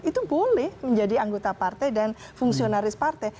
itu boleh menjadi anggota partai dan fungsionaris partai